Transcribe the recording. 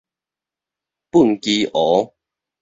畚箕湖